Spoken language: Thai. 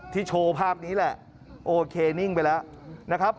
โชว์ภาพนี้แหละโอเคนิ่งไปแล้วนะครับ